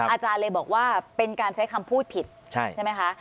อาจารย์เลยบอกว่าเป็นการใช้คำพูดผิดใช่ไหมคะ